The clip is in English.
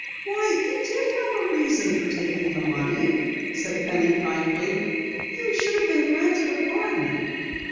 "Why, you did have a reason for taking the money," said Penny kindly. "You should have been granted a pardon."